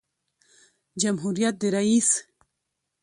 جمهوریت د رئیس